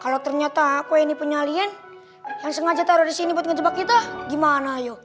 kalau ternyata kuih ini punya alien yang sengaja taruh disini buat ngejebak kita gimana yuk